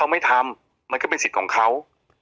มันก็เป็นสิทธิ์ของเขา